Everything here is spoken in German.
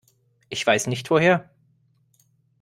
Ich weiß nicht woher.